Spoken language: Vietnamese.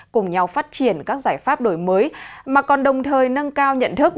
cùng nhau phát triển các giải pháp đổi mới mà còn đồng thời nâng cao nhận thức